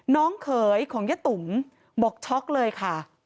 เขยของยะตุ๋มบอกช็อกเลยค่ะ